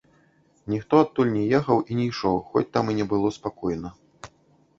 Ніхто адтуль не ехаў і не ішоў, хоць там і не было спакойна.